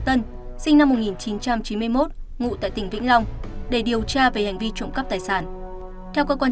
tân sinh năm một nghìn chín trăm chín mươi một ngụ tại tỉnh vĩnh long để điều tra về hành vi trộm cắp tài sản theo cơ quan